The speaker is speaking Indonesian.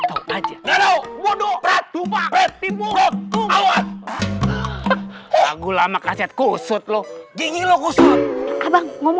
tahu tahu waduh berat tumpah betimu awal lagu lama kaset kusut lo gini lo kusut abang ngomong